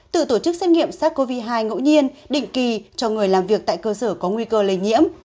tự tổ chức xét nghiệm sars cov hai ngẫu nhiên định kỳ cho người làm việc tại cơ sở có nguy cơ lây nhiễm